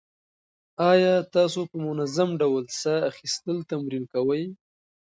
ایا تاسو په منظم ډول ساه اخیستل تمرین کوئ؟